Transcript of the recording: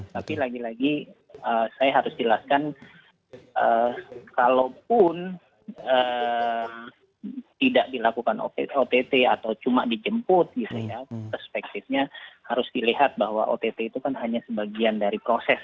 tapi lagi lagi saya harus jelaskan kalaupun tidak dilakukan ott atau cuma dijemput gitu ya perspektifnya harus dilihat bahwa ott itu kan hanya sebagian dari proses